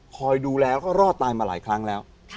ดูแล้วก็รอดตายมาหลายครั้งแล้ว